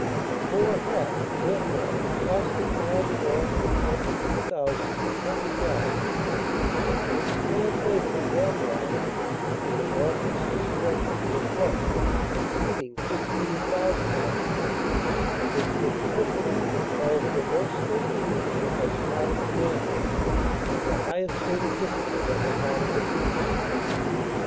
The Corps had, therefore, to cross the Canal du Nord on a front of 2,600 yards, and to expand later fanwise In a northeasterly direction to a front exceeding 15,000 yards. This intricate manoeuvre called for most skilful leadership on the part of commanders, and the highest state of discipline on the part of the troops.